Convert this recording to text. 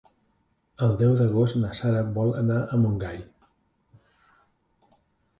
El deu d'agost na Sara vol anar a Montgai.